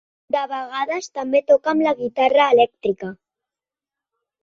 De vegades, també toca amb la guitarra elèctrica.